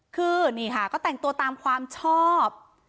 คือนี่ค่ะก็แต่งตัวตามความชอบ